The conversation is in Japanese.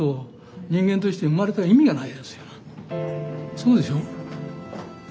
そうでしょ？